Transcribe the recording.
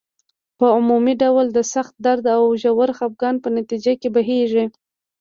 په عمومي ډول د سخت درد او ژور خپګان په نتیجه کې بهیږي.